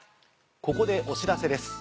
ここでお知らせです。